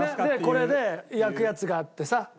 これで焼くやつがあってさ。